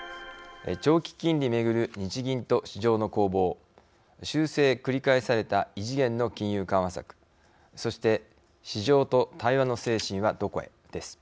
長期金利巡る日銀と市場の攻防修正繰り返された異次元の金融緩和策そして市場と対話の精神はどこへです。